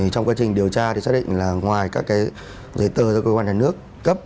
trong quá trình điều tra thì xác định là ngoài các giấy tờ do cơ quan nhà nước cấp